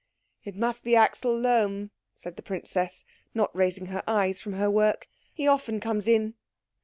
"It must be Axel Lohm," said the princess, not raising her eyes from her work. "He often comes in."